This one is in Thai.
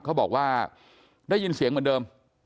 เขาบอกว่าได้ยินเสียงเหมือนเดิม